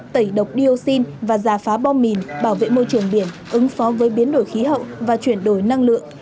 tẩy độc dioxin và giả phá bom mìn bảo vệ môi trường biển ứng phó với biến đổi khí hậu và chuyển đổi năng lượng